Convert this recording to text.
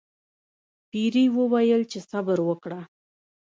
پیري وویل چې صبر وکړه.